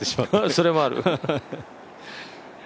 それもある。